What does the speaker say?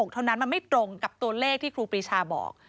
เท่านั้นมันไม่ตรงกับตัวเลขที่ครูปรีชาบอก